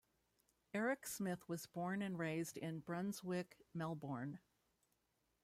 Eric Smith was born and raised in Brunswick, Melbourne.